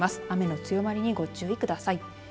雨の強まりにご注意ください。